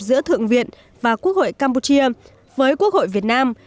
giữa thượng viện và quốc hội campuchia với quốc hội việt nam